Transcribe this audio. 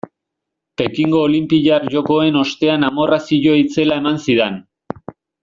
Pekingo olinpiar jokoen ostean amorrazio itzela eman zidan.